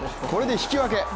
これで引き分け。